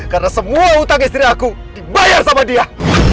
karena semua utang istri aku dibayar sama dia